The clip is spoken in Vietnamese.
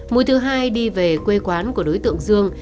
mũi thứ hai đi về quê quán của đối tượng dương